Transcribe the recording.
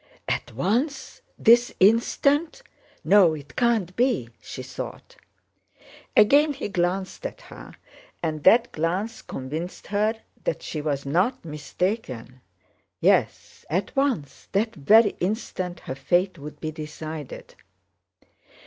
"At once? This instant!... No, it can't be!" she thought. Again he glanced at her, and that glance convinced her that she was not mistaken. Yes, at once, that very instant, her fate would be decided.